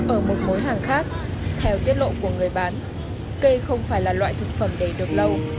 ở một khối hàng khác theo tiết lộ của người bán cây không phải là loại thực phẩm đầy được lâu